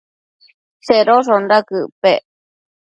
Tsedoshonda quëc pec?